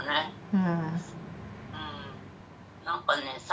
うん。